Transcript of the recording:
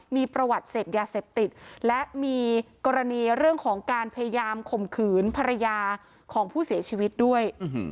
มีประวัติเสพยาเสพติดและมีกรณีเรื่องของการพยายามข่มขืนภรรยาของผู้เสียชีวิตด้วย